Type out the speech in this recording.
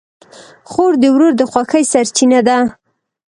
خور د ورور د خوښۍ سرچینه ده.